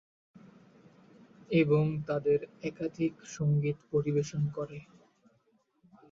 এবং তাদের একাধিক সংগীত পরিবেশন করে।